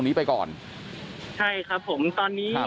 เหลือเพียงกลุ่มเจ้าหน้าที่ตอนนี้ได้ทำการแตกกลุ่มออกมาแล้วนะครับ